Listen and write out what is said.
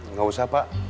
nggak usah pak